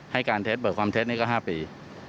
ให้การเท็จเบิกความเท็จนี่ก็๕ปี